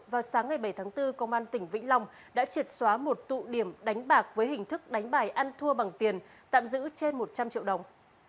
vào sáng ngày bảy tháng bốn công an tỉnh vĩnh long đã triệt xóa một tụ điểm đánh bạc với hình thức đánh bài ăn thua bằng tiền tạm giữ trên một trăm linh triệu đồng